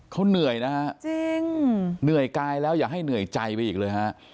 เขาเหนื่อยนะฮะจริงเหนื่อยกายแล้วอย่าให้เหนื่อยใจไปอีกเลยฮะ